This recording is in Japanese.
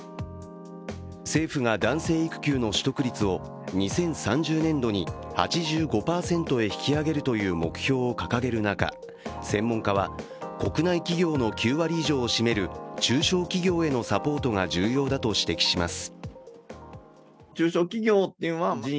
政府が男性育休の取得率を２０３０年度に８５％へ引き上げるという目標を掲げる中、専門家は、国内企業の９割以上を占める中小企業へのサポートが重要だと指摘します。